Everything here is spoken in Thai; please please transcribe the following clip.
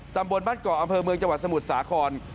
ตำบลบ้านเกาะอำเภอเมืองจังหวัดสมุทรสาคร